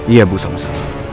iya bu sama sama